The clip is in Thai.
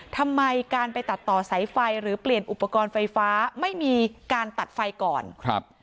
ทำไมการไปตัดต่อสายไฟหรือเปลี่ยนอุปกรณ์ไฟฟ้าไม่มีการตัดไฟก่อนครับ